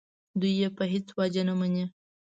دوی یې په هېڅ وجه نه مني.